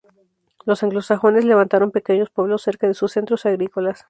Los anglosajones levantaron pequeños pueblos cerca de sus centros agrícolas.